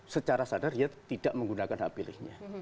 secara sadar dia tidak menggunakan hak pilihnya